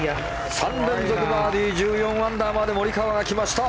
３連続バーディー１４アンダーまでモリカワが来ました。